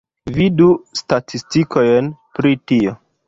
Vidu statistikojn pri tio.